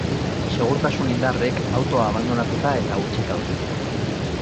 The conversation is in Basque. Segurtasun indarrek autoa abandonatuta eta hutsik aurkitu dute.